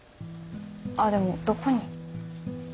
ああでもどこに？